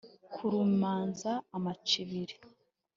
kurumanza amacibiri